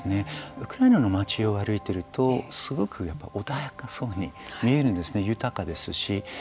ウクライナの町を歩いているとすごく穏やかそうに見えるんですね豊かですし。